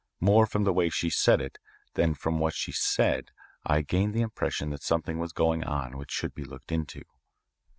More from the way she said it than from what she said I gained the impression that something was going on which should be looked into.